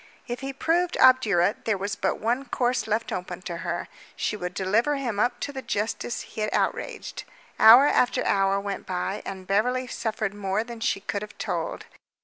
If he proved obdurate there was but one course left open to her. She would deliver him up to the justice he had outraged. Hour after hour went by, and Beverly suffered more than she could have told.